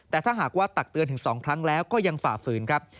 แต่ถ้าหากว่าตักเตือนถึง๒ครั้งแล้วก็ยังฝ่าฝืนครับ